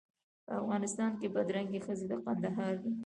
په افغانستان کې بدرنګې ښځې د کندهار دي.